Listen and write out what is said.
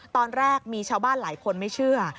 ตอนแรกมีชาวบ้านหลายคนไม่เชื่อ